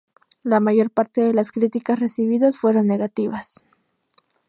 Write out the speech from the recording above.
La mayor parte de las críticas recibidas fueron negativas.